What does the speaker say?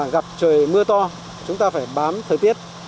gặp trời mưa to chúng ta phải bám thời tiết